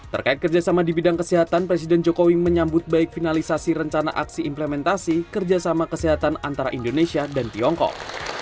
terkait kerjasama di bidang kesehatan presiden jokowi menyambut baik finalisasi rencana aksi implementasi kerjasama kesehatan antara indonesia dan tiongkok